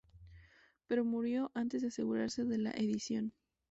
Pero murió antes de asegurarse de la edición.